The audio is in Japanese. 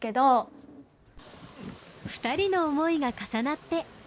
２人の思いが重なって。